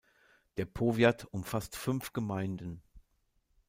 Der Powiat umfasst fünf Gemeinden.